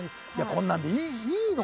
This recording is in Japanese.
こんなんでいいの？